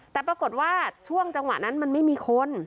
แต่ปรากฏว่าช่วงจังหวะนั้นมันไม่มีคน